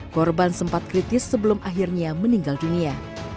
korban sempat kritis sebelum akhirnya meninggal dunia